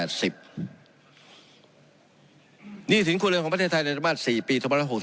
หนี้สินครัวเรือนของประเทศไทยในธรรม๔ปี๒๖๖